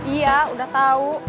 iya udah tau